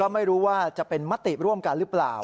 ไม่รู้ว่าจะเป็นมติร่วมกันหรือเปล่า